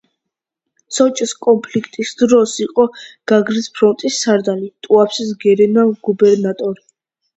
სოჭის კონფლიქტის დროს იყო გაგრის ფრონტის სარდალი, ტუაფსეს გენერალ-გუბერნატორი.